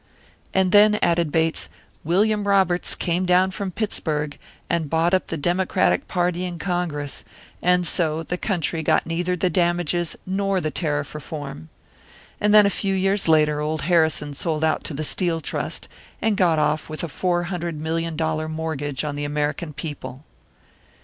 "And then," added Bates, "William Roberts came down from Pittsburg, and bought up the Democratic party in Congress; and so the country got neither the damages nor the tariff reform. And then a few years later old Harrison sold out to the Steel Trust, and got off with a four hundred million dollar mortgage on the American people!"